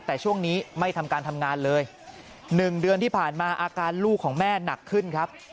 แต่ช่วงนี้ไม่ทำการทำงานเลย๑เดือนที่ผ่านมาอาการลูกของแม่หนักขึ้นครับ